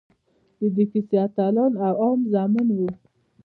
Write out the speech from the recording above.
د دې کیسو اتلان د عوامو زامن وو.